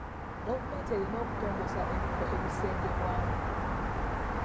Gavumenti erina okutongoza ebifo ebisengebwamu.